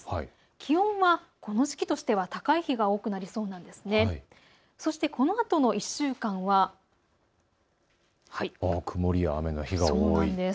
気温はこの時期としては高い日が多くなりそうです。